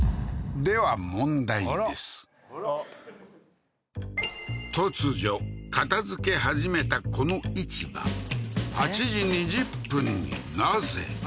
では突如片付け始めたこの市場８時２０分になぜ？